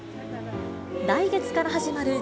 来月から始まるＺＩＰ！